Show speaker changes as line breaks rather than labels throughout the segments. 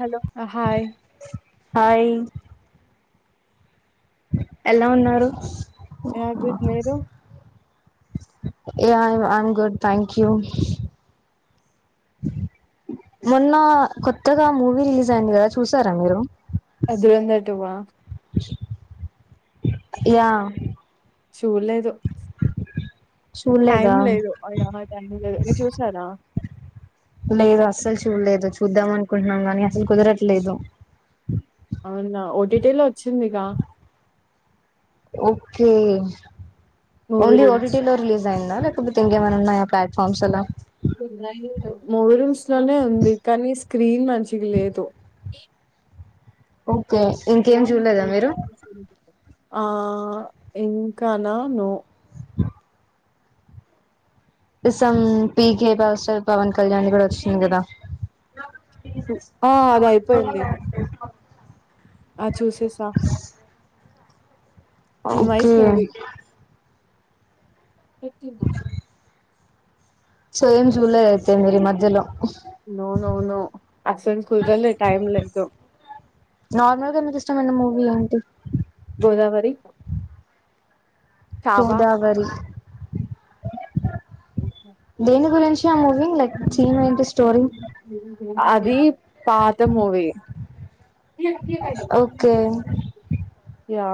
Hello hi
hi ఎలా ఉన్నారు.
Yeah good మీరు
ఏ I I'm good thank you you మొన్న కొత్తగా మూవీ రిలీజ్ అయింది. గాదా చూసారా మీరు
ఆ దురెందర్ టు వా
ఇగ
చూడ్లేదు. టైం
చూడలేదా
లేదు. ఆ యా హా టైం లేదు మీరు చూసారా.
లేదు. అస్సల్ చూడ్లేదు చూ ద్దాం అనుకుంటున్నాం గానీ అస్సల్ కుదరట్లేదు.
అవునా ఓటీటీ లో ఓచ్చిందిగా
ఓక్కే
మూవీ
ఓన్లీ
రూల్స్
ఓటీటీలో రిలీజ్ దయిందా లేకపోతే ఇంకేమైనా ఉన్నాయా ప్లాట్ఫామ్స్ అలా
మూవీ రూల్స్ లోనే ఉంది. కానీ స్క్రీన్ మంచిగా లేదు.
ఓ కే ఇంకేం చూడ్లేదా మీరు
ఆ ఇంకా నా నో
సం పీకే పవర్ పవన్ కళ్యాణ్ ది కూడా వోచ్చింది. గదా
ఆ అదయిపోయింది ఆ చూసేసా నైస్
ఓకే
పెట్టి మా
సో ఏం చూల్లేదు అయితే మీరి ఈ మధ్యలో
అవునవును అసలు కుదరలే, టైమ్ లేదు.
నార్మల్గా నాకు ఇష్టమండి మూవీ అంటే
గోదావరి చావా
గోదావరి దేని గురించి ఆ మూవీ లైక్ థీమ్ ఏంటి స్టోరీ
అది పా త movie
okay
yeah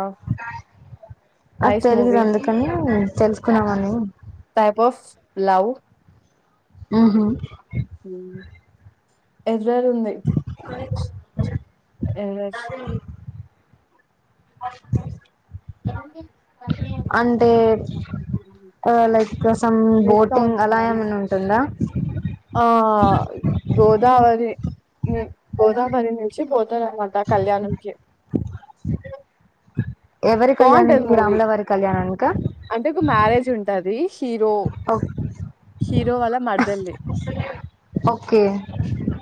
nice movie
కున్నామని
టైప్ ఆఫ్ లవ్
ఊహూ
ఉమ్ ఎర్రర్ ఉంది, errors
as like some
net
boating
on
అలా
చేయాలి
ఏమైనా ఉంటుందా
ఆ గోదావరి గోదావరి నుంచి పో తామట్ట కళ్యాణంకి
ఎవరి
బాగుంటది
కళ్యాణనికి
మూవీ
రాములవారి కళ్యాణానికి
అంటే ఒక మ్యారేజ్ ఉంటది హీరో హీరో హీరో వాళ్ళ మరదల్ది
వస్తలేదు ఓకే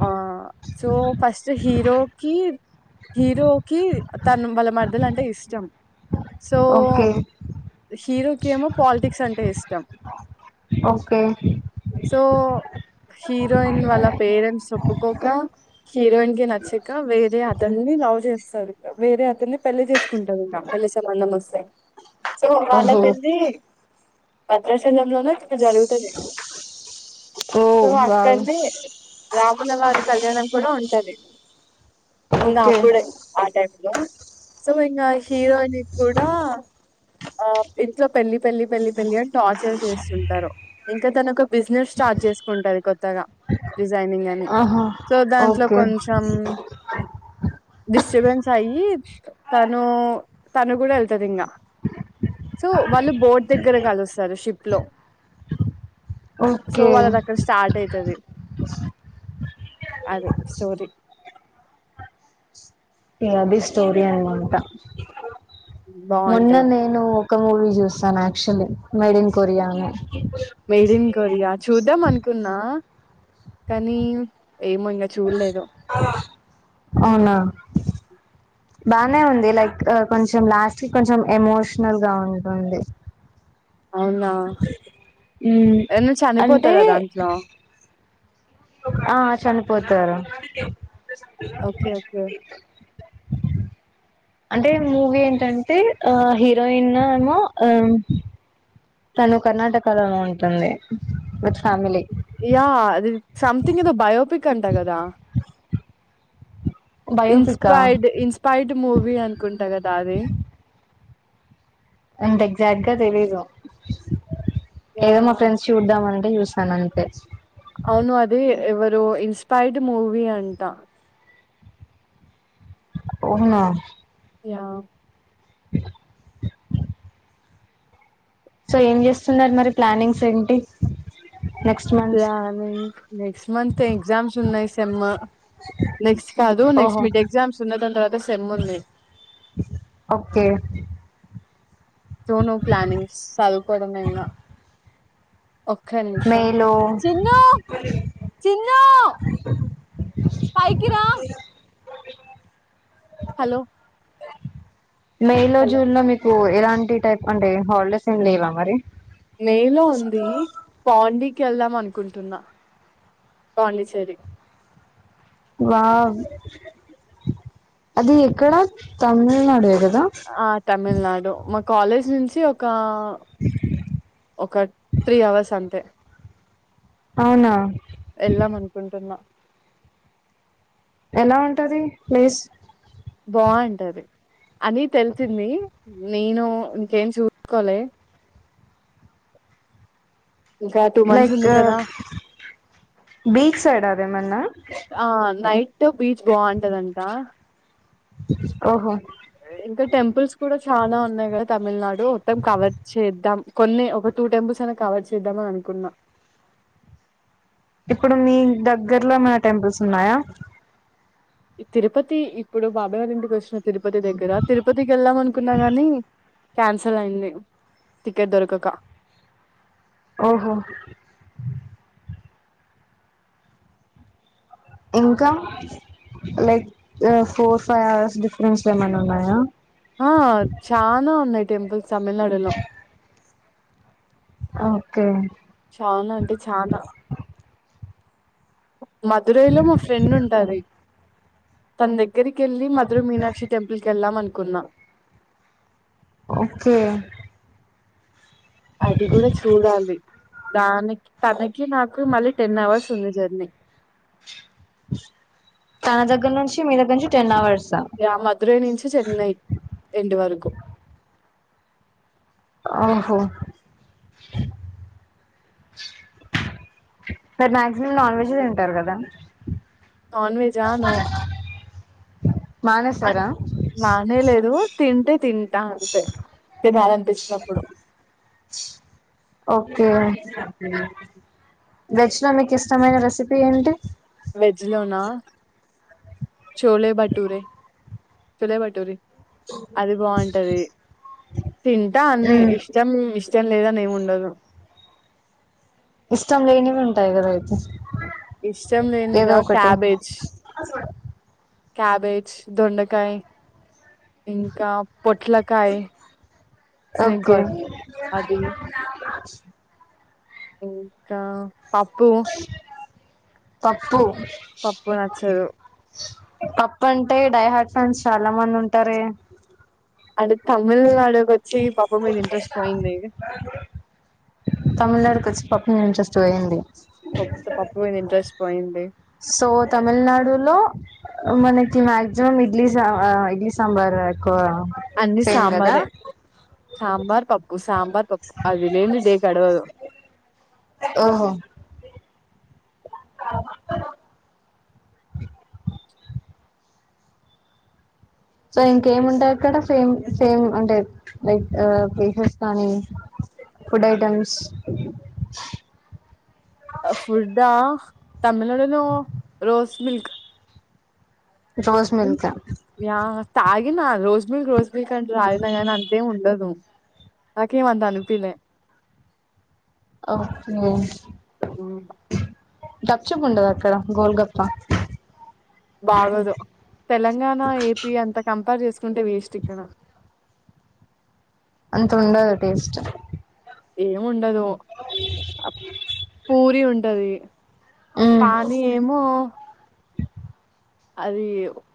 ఆ సో ఫస్ట్ హీరోకిి హీరోకి తను వాళ్ళ మరదలు అంటే ఇష్టం సో
ఓకే
హీరో ఇంకేమో పాలిటిక్స్ అంటే ఇష్టం
ఓకే
సో హీరోయిన్ వాళ్ల పేరెంట్స్ చెప్పుకోక హీరోయిన్ కి నచ్చక వేరే అతడిని లవ్ చేస్తాది వేరే అతని పెళ్లి చేసుకుంటది ఇంకా పెళ్లి సంబంధం వస్తే సో వాల
ఓహో
పెద్ది భద్రాచలంలోన సొ జరుగుతది
ఓ
సొ
వావ్
అక్కడినే రాముల వారి కళ్యాణం కూడా ఉంది ఉంటాది ఇంకా
ఓకే
అప్పుడే ఆ టైంలో సో ఇంకా హీరోయిన్ కూడా ఆ ఇంట్లో పెళ్లి పెళ్లి పెళ్లి పెళ్లి అంటు టార్చర్ చేస్తుంటారు ఇక తనకు బిజినెస్ స్టార్ట్ చేసుకుంటాది కొత్తగా బిస్ ఎన [inaudible] హ బియ్యాన్ని
ఆహా
సో దాంట్లో
ఓకే
కొంచెం డిస్టర్బెన్స్ అయి తను తను కూడా వెళ్తది ఇంకా సో వాళ్ళు బోర్ట్ దగ్గర కలుస్తారు షిప్ లో సో
ఓకే
వాళ్లది అక్కడ స్టార్ట్ అయితది అదే స్టోరి
హొ అది స్టోరి అనమాట మొన్న
బాగుంటది
నేను ఒక మూవీ చూస్తాను యాక్చుల్లీ మేడ్ఇన్ కొరియానే
మెరిన్ కొరియా చూద్దాం అనుకున్నా కానీ ఏమో ఇంకా చూల్లేదు
అవునా బానే ఉంది లైక్ కొంచెం లాస్ట్ కి కొంచెం ఎమోషనల్ గా ఉంటుంది
అవునా
మ్మ్
ఎవన్న
అంటే
చనిపోతారా దాంట్లో
ఆ చనిపోతారు
ఓకే ఓకే
అంటే మూవీ ఏంటంటే ఆ హీరోయిన్ ఏమో ఆ తను కర్ణాటక లోనే ఉంటుంది. విత్ ఫ్యామిలీ
యా అది సంథింగ్ ఎదొ బయోపిక్ అంటా కదా ఇన్స్
బయోపికా
ప్రెర్డ్ ఇన్స్ పెర్డ్ మూవీ అనుకుంటా కదా అది
అంత ఎగ్జాట్ గా తెలీదు ఏమో
యాహ్!
ఫ్రెండ్స్ చూద్దాం అంటే తనంతే
అవును అది ఎవరు ఇన్స్పైైర్డ్ మూవి అంటా
అవున
యా
[inaudible] సో ఏం జేస్తున్నారు మరి ప్లానింగ్స్ ఏంటి నెక్స్ట్ మంత్
ప్లాని నెక్స్ట్ మంత్ ఎగ్జామ్స్ ఉన్నాయి సెమ్ నెక్స్ట్ కాదు
ఓహో
నెక్స్ట్ మిడ్ ఎగ్జామ్స్ ఉన్న దాని తర్వాత సెమ్ ఉంది
ఓకే
సో నొ ప్లానింగ్స్ చదువుకోవడమే ఇంగా ఒక్క నిమిషం
మేలో
చిన్ను చిన్నూ పైకిరా హలో
మే లో
హలో.
జూన్ లో మీకు ఇలాంటి టైప్ అంటె హాలిడేస్ ఏమి లేవా మరి
వే లో ఉంది పాండిక్ కెళ్దాం అనుకుంటున్నా పాండిచ్చేరి
వావ్ అది ఎక్కడ తమిల్నాడేగ
ఆ తమిల్నాడు మ కాలెజ్ నుంచి ఒకా ఒక త్రీ అవర్స్ అంతే
అవునా
ఎల్దామ్ అనుకుంటున్నా
ఎలా ఉంటది ప్లేస్
బావుంటది అది తెలిసింది నేను ఇంకేం చూకోలే ఇంకా టూ మంత్స్
లైక్
ఉంది కదా
బీచ్ సైడ్ అదేమన్నా
సో బీచ్ బాగుంటదంటా
[inaudible]
ఇంకా టెంపుల్స్ కూడా చానా ఉన్నాయి కదా తమిల్నాడు మొత్తం కవర్ చేద్దాం కొన్ని ఒక టూ టెంపుల్స్ అయినా కవర్ చేద్దామననుకున్నా
ఇప్పుడు మీ దగ్గర్లో ఏమనా టెంపుల్స్ ఉన్నాయా
ఇ తిరుపతి ఇప్పుడు బాబాయ్ వాళ్ళ ఇంటికి వచ్చినం తిరుపతి దగ్గర తిరుపతికి ఎళ్దాం అనుకున్నా గాని క్యాన్సీల్ అయింది టికెట్ దొరుకక
ఓహొ ఇంక లెక్ ఆ ఫోర్ ఫైవ్ అవర్స్ డిఫరెన్స్ లో ఏమన్నా ఉన్నాయా
ఆ చాన ఉన్నాయి టెంపుల్స్ తమిల్నాడులో
ఓకె
చాన అంటే చానా [inaudible] మధురైలో మ ఫ్రెండ్ ఉంటది తందక్ గ్గరికెళ్లి మదుర మీనాక్షి టెంపల్ కెల్డం అన్ కున్నా
ఓకే
అది కూడ చూడాలి దానికి తనకి నాకు మళ్ళీ టెన్ అవర్స్ ఉంది జర్నీ
తన దగ్గర్నుంచి
యా మధురై నుంచి చెన్నై ఇంటి వరకు
ఆ హావ్ మరి మక్ జిమమ్ నాన్ వెజ్ ఏ తింటారు కదా
నాన్ వెజా నో
మానేసారా
తిన్టే తింట అంతే తినల్పిచ్ నప్పుడు
ఓకే వెజ్లో మీకు ఇష్టమైన రెసిపీ ఏంటి
వెజ్ లోనా చోలే భట్టురే చోలే భటూరీ అది బావుంటది తింటా అన్ని
మ్మ్
ఇష్టం ఇష్ ష్టం లేదా నేమ్ ఉండదు
ఇష్టం లేనివి ఉంటాయి గదా అయితే
ఇష్టం
ఏదో
లెనిదా
ఒకటి
క్యాబేజ్ క్యాబేజ్ దొండకాయ్ ఇంకా పొట్లకాయ్
ఓకే
ఇంకా పాప్ పూ
పప్పు
పప్పు నచ్చదు
పప్పు అంటే డైహాట్ ఫండ్స్ చాలా మంది ఉంటారే
చీ పప్పు మీద ఇంట్రెస్ట్ పోయిందే ఇగ
తమిళనాడుకి వచ్చి పప్పు మీద ఇంట్రెస్ట్ పోయింది
ప్పు పప్పు మీద ఇంట్రెస్ట్ పోయింది
సో తమిళనాడులో మనకి మ్యాక్సిమమ్ ఇడ్లీ సా ఆ ఇడ్లీ సాంబార్ ఎక్కువ
అన్నిీ
సేమ్ కదా
సాంబారే సాంబార్ పప్పు సాంబార్ పప్పు అది లేంది డే గడవదు
ఓహో సో ఇంకేముంటక్కడ సేమ్ సేమ్ అంటే లైక్ ప్లేసెస్ కానీ ఫుడ్ ఐటెమ్స్
ఫుడ్డా తమిళనాడులో రోస్ మిల్క్
రోజ్ మీల్కా
తాగినా రోజ్ మిల్క్ రోజ్ మిల్కన్త తాగిన కానీ అంతేం ఉండదు నాకేం అంత అనిపీలే
ఓకె గప్చప్ ఉండద అక్కడ గోల్ గప్ప
బాగోదు తెలంగాణ ఏపీ అంతా కంపేర్ చేస్ కుంటే వేస్టిక్కడ
ఇంతగుండద టేస్ట్
ఏముండదు టది
మ్మ్
పానీ ఏమో అది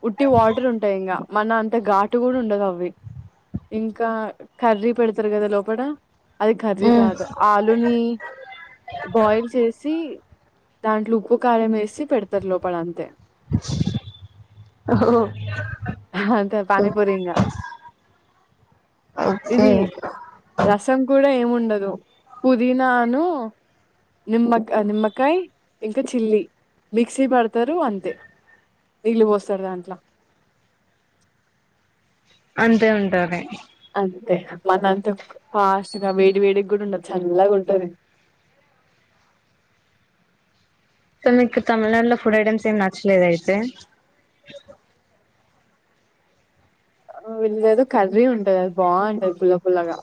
ఉట్టి వాటర్ ఉంటాయి ఇంగా మన అంత ఘాటు కూడా ఉండదు అవి ఇంకా కర్రీ పెడతారు కదా లోపట అది ఖర్రి
మ్మ్
కాదు ఆలుని బాయిల్ చేసి దాంట్లో ఉప్పుకారం వేసి పెడతారు లోపల అంతే
హో
అంతే పానీపూరిఇంగ
ఓకే
ఇది రసం కూడా ఏముం ఉండదు పుదీనాను నిమ్మకా నిమ్మకాయ ఇంకా చిల్లీ మిక్సీ పడతారు అంతే నీళ్ళుపోస్తారు దాంట్ల
అంతే ఉంటాది
అంతే మనంత ఫాస్ట్గా వేడి వేడి కూడా ఉండదు చల్లగా ఉంటది
సో మీకు తమిళనాడులో ఫుడ్ ఐటమ్స్ ఏమి నచ్చలేద అయితే
ఆ విన్లేదు కర్రీ ఉంటంది అది బాగుంటది పుల్ల పుల్లగా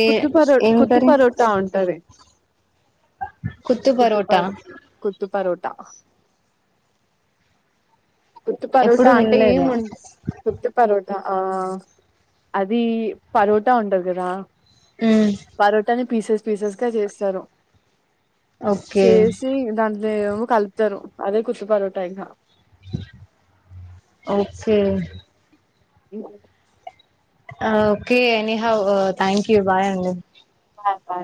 ఏ
కుత్తుపరో
ఏం
కుత్తు
కర్రీ
పరోటా ఉంటది కుత్తు పడ్ కుత్తు పారొట్ ట కుత్తు పరోట
ఎప్పుడు
అంటే
వినలేదు
ఏంఉ కుత్తు పరోట ఆ అది పరోటా ఉంటది కదా
అ
పరోటాని పీసెస్ పీసెస్ గా చేస్తారు
ఓకే
చేేసి దాన్ని అదే కలుపుతారు అదే కుర్ష్ పరోటా అయిపా
okay
uh
okay any have thank you bye అండి
ఆ